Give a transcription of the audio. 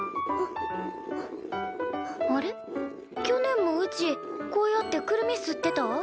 去年もうちこうやってくるみすってた？